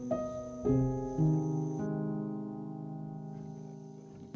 meski sederhana paling tidak nyoman bisa selalu bertanggung jawab